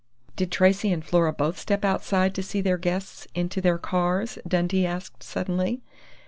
"Did Tracey and Flora both step outside to see their guests into their cars?" Dundee asked suddenly.